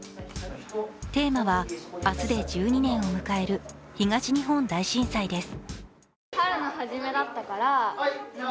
テーマは明日で１２年を迎える東日本大震災です。